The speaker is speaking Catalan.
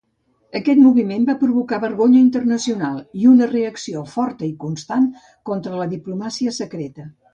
Aquest moviment va provocar vergonya internacional, i una reacció forta i constant contra la diplomàcia secreta.